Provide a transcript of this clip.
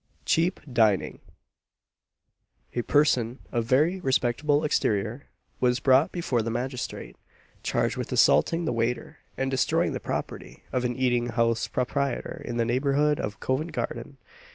CHEAP DINING. A person of very respectable exterior was brought before the magistrate, charged with assaulting the waiter, and destroying the property, of an eating house proprietor in the neighbourhood of Covent garden.